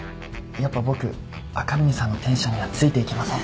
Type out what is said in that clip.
やっぱ僕赤嶺さんのテンションにはついていけません。